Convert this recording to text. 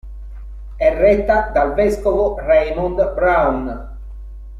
È retta dal vescovo Raymond Browne.